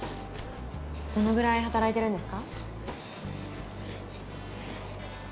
どのぐらい働いてるんですか？